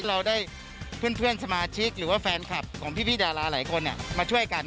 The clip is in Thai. เราได้เพื่อนสมาชิกหรือว่าแฟนคลับของพี่ดาราหลายคนมาช่วยกัน